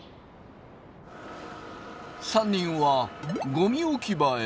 ３人はゴミ置き場へ。